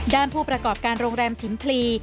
ผู้ประกอบการโรงแรมชิมพลี